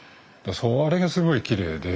それがすごいきれいで。